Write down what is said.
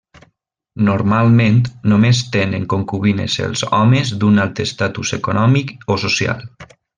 Normalment, només tenen concubines els homes d'un alt estatus econòmic o social.